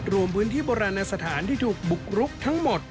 รวมพื้นที่โบราณสถานที่ถูกบุกรุกทั้งหมด